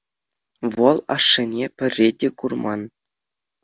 Вӑл ашшӗне пӗрре те курман.